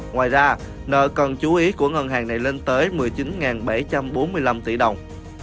ngoài ra nợ cần chú ý của ngân hàng này lên tới một mươi chín bảy trăm bốn mươi năm tỷ đồng